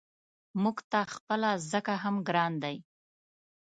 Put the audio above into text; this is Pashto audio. موږ ته خپله ځکه هم ګران دی.